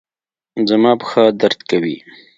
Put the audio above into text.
زما پښه درد کوي